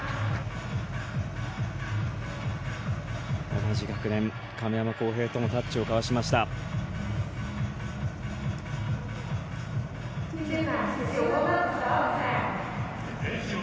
同じ学年、亀山耕平ともタッチを交わしました。